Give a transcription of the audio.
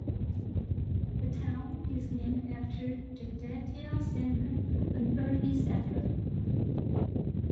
The town is named after Jedediah Sanger, an early settler.